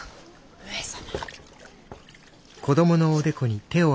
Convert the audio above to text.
上様。